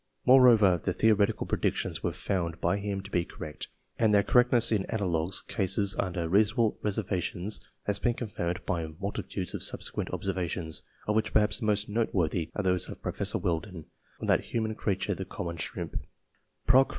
Moreover, the theoretical predictions were found by him to be correct, and their correctness in analogous cases under reasonable reservations has been confirmed by multitudes of subsequent observations, of which perhaps the most noteworthy are those of Professor Weldon, on that humble creature the common shrimp (Proc.